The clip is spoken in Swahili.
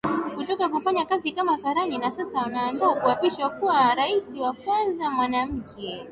Kutoka kufanya kazi kama Karani na sasa anajiandaa kuapishwa kuwa Rais wa kwanza Mwanamke